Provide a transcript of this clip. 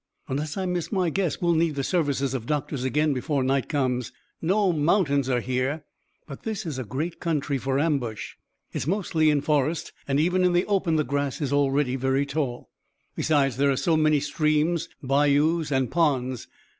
"Unless I miss my guess, we'll need the services of doctors again before night comes. No mountains are here, but this is a great country for ambush. It's mostly in forest, and even in the open the grass is already very tall. Besides, there are so many streams, bayous, and ponds.